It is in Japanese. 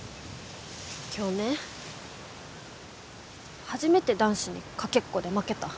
今日ね初めて男子にかけっこで負けた。